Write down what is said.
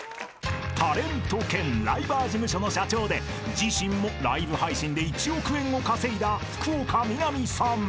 ［タレント兼ライバー事務所の社長で自身もライブ配信で１億円を稼いだ福岡みなみさん］